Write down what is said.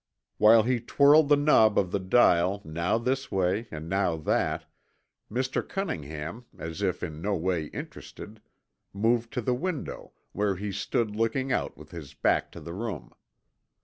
While he twirled the knob of the dial now this way and now that, Mr. Cunningham, as if in no way interested, moved to the window, where he stood looking out with his back to the room.